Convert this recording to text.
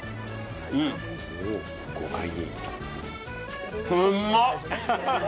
豪快に。